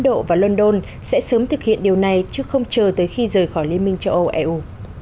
độ và london sẽ sớm thực hiện điều này chứ không chờ tới khi rời khỏi liên minh châu âu eu